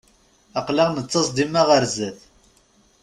Aql-aɣ nettaẓ dima ɣer zdat.